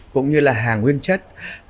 cũng như là hàng nguyên chất